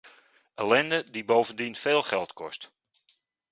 Ellende die bovendien veel geld kost.